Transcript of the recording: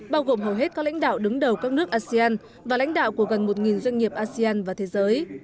bao gồm hầu hết các lãnh đạo đứng đầu các nước asean và lãnh đạo của gần một doanh nghiệp asean và thế giới